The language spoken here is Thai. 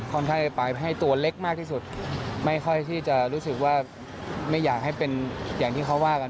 ค่อยไปให้ตัวเล็กมากที่สุดไม่ค่อยที่จะรู้สึกว่าไม่อยากให้เป็นอย่างที่เขาว่ากัน